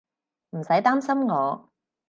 唔使擔心我